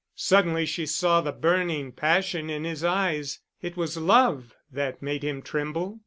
Suddenly she saw the burning passion in his eyes; it was love that made him tremble.